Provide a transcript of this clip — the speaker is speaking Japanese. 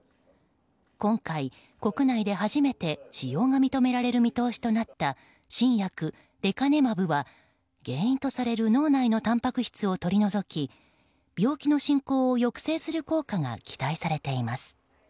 今回、国内で初めて使用が認められる見通しとなった新薬レカネマブは原因とされる脳内のたんぱく質を取り除き病気の進行を抑制する効果が期待されています。